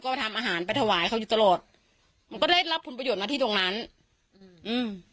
ก็ทำอาหารไปถวายเขาอยู่ตลอดมันก็ได้รับผลประโยชน์มาที่ตรงนั้นอืมอืม